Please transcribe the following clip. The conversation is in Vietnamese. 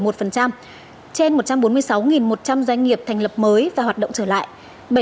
trên một trăm bốn mươi sáu một trăm linh doanh nghiệp thành lập mới và hoạt động trở lại